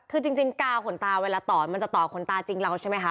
คือจริงกาวขนตาเวลาต่อมันจะต่อขนตาจริงเราใช่ไหมคะ